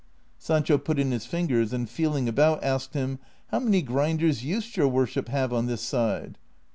Sancho put in his fingers, and feeling about asked him, " How many grinders used your worship have on this side